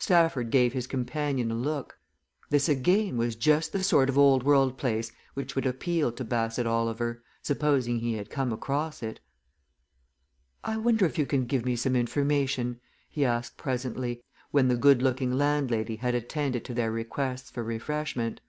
Stafford gave his companion a look this again was just the sort of old world place which would appeal to Basset Oliver, supposing he had come across it. "I wonder if you can give me some information?" he asked presently, when the good looking landlady had attended to their requests for refreshment.